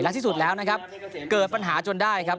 ที่สุดแล้วนะครับเกิดปัญหาจนได้ครับ